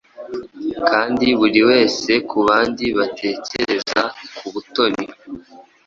Kandi buriwese kubandi batekereza kubutoni